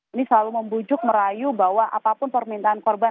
ini selalu membujuk merayu bahwa apapun permintaan korban